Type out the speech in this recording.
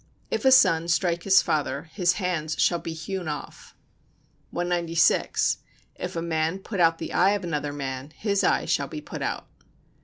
If a son strike his father, his hands shall be hewn off. 196. If a man put out the eye of another man, his eye shall be put out.